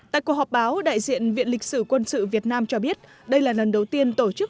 tại cuộc họp báo đại diện viện lịch sử quân sự việt nam cho biết đây là lần đầu tiên tổ chức